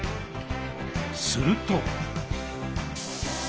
すると。